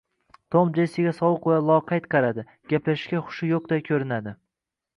Tom Jessiga sovuq va loqayd qaradi, gaplashishga hushi yo`qday ko`rinadi